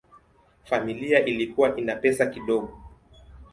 Familia ilikuwa ina pesa kidogo.